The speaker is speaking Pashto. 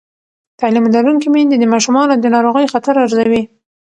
تعلیم لرونکې میندې د ماشومانو د ناروغۍ خطر ارزوي.